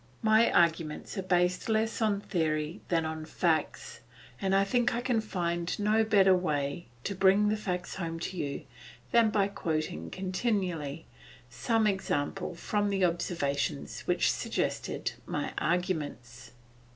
My arguments are based less on theories than on facts, and I think I can find no better way to bring the facts home to you than by quoting continually some example from the observations which suggested my arguments.